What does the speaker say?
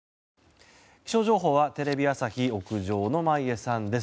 気象情報はテレビ朝日屋上の眞家さんです。